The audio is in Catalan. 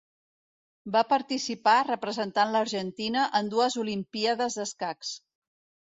Va participar representant l'Argentina en dues Olimpíades d'escacs.